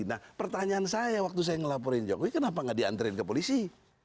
nah pertanyaan saya waktu saya melaporin jokowi kenapa tidak diantri ke polisi